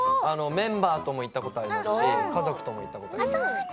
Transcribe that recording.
メンバーとも行ったことあるし家族とも行ったことある。